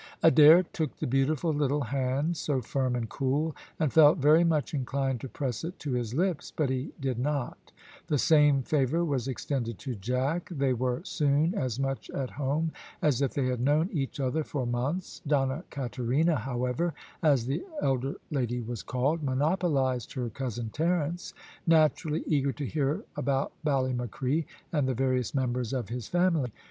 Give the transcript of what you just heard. Adair took the beautiful little hand, so firm and cool, and felt very much inclined to press it to his lips, but he did not. The same favour was extended to Jack. They were soon as much at home as if they had known each other for months. Donna Katerina, however, as the elder lady was called, monopolised her cousin Terence, naturally eager to hear about Ballymacree, and the various members of his family.